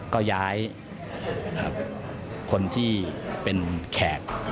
ก็ย้ายคนที่เป็นแขก